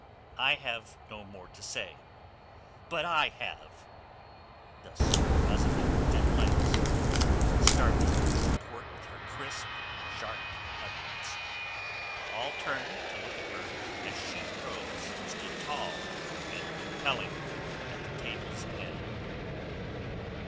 I have no more to say." "But I have." Thus Rosamund at last, startling the court with her crisp, sharp utterance. All turned to look at her as she rose, and stood tall and compelling at the table's end.